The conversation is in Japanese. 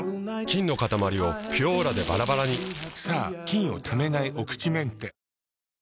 菌のかたまりを「ピュオーラ」でバラバラにさぁ菌をためないお口メンテ。